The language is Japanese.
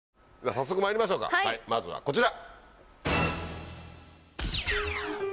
早速まいりましょうかまずはこちら！